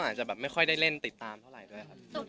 อาจจะไม่ค่อยทราบไม่ได้